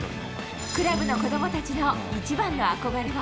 クラブの子どもたちの一番の憧れは？